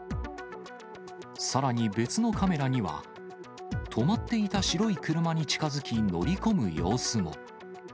さらに別のカメラには、止まっていた白い車に近づき、乗り込む様子も。